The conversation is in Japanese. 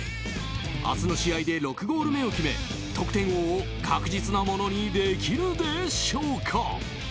明日の試合で６ゴール目を決め得点王を確実なものにできるでしょうか。